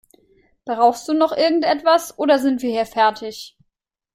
Brauchst du noch irgendetwas oder sind wir hier fertig?